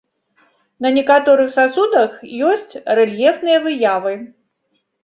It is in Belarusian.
На некаторых сасудах ёсць рэльефныя выявы.